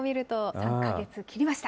３か月を切りました。